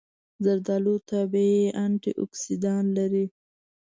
زردآلو طبیعي انټياکسیدان لري.